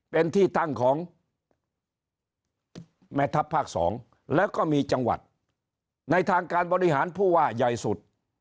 เป็นที่ตั้งของแม่ทัพภาค๒แล้วก็มีจังหวัดในทางการบริหารผู้ว่าใหญ่สุด